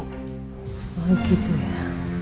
oh gitu ya